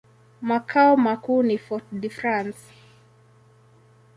Makao makuu ni Fort-de-France.